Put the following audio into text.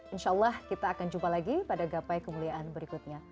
insya allah kita akan jumpa lagi pada gapai kemuliaan berikutnya